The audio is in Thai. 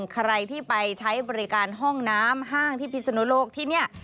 ใครที่ไปใช้บริการห้องน้ำห้างที่พิศนุโลกที่นี่